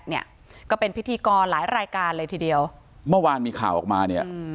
เนี่ยก็เป็นพิธีกรหลายรายการเลยทีเดียวเมื่อวานมีข่าวออกมาเนี่ย